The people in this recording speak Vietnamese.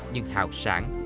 nhưng hào sản